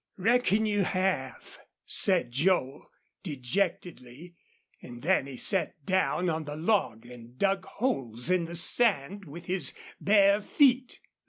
"Reckon you have," said Joel, dejectedly, and then he sat down on the log and dug holes in the sand with his bare feet.